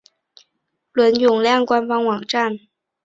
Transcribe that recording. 伦永亮官方网站